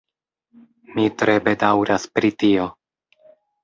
Mi tre bedaŭras pri tio.